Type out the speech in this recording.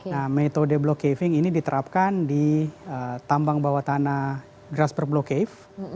nah metode block caving ini diterapkan di tambang bawah tanah grass per block cave